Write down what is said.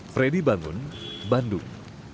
fredy bangun bandung